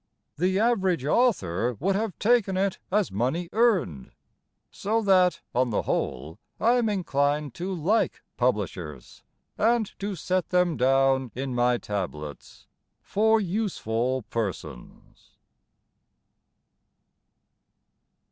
The average author would have taken it As money earned. So that, on the whole, I am inclined to like publishers, And to set them down in my tablets For Useful persons.